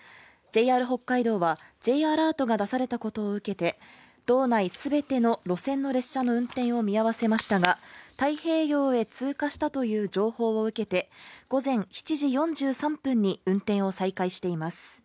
ＪＲ北海道はＪアラートが出されたことを受けて道内すべての路線の列車の運転を見合わせましたが太平洋へ通過したという情報を受けて午前７時４３分に運転を再開しています。